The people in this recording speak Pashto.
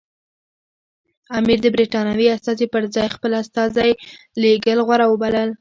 امیر د برټانوي استازي پر ځای خپل استازی لېږل غوره وبلل.